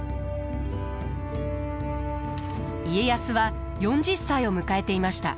家康は４０歳を迎えていました。